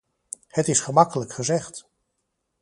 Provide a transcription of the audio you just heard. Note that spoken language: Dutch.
Het is gemakkelijk gezegd.